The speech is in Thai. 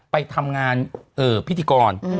ไปทำงานพิธีกร